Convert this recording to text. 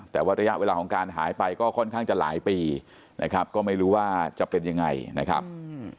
แต่ว่าระยะเวลาของการหายไปก็ค่อนข้างจะหลายปีนะครับก็ไม่รู้ว่าจะเป็นยังไงนะครับ